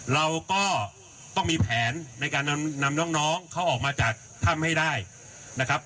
เราก็ต้องมีแผนในการนำน้องเขาออกมาจากถ้ำให้ได้นะครับ